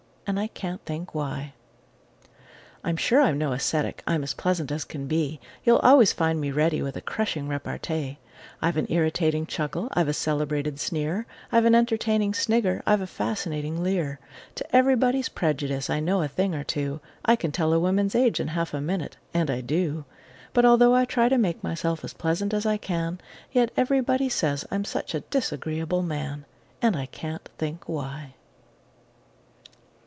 And I can't think why! I'm sure I'm no ascetic: I'm as pleasant as can be; You'll always find me ready with a crushing repartee; I've an irritating chuckle; I've a celebrated sneer; I've an entertaining snigger; I've a fascinating leer; To everybody's prejudice I know a thing or two; I can tell a woman's age in half a minute and I do But although I try to make myself as pleasant as I can, Yet everybody says I'm such a disagreeable man! And I can't think why!